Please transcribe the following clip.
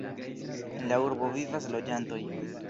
En la urbo vivas loĝantoj.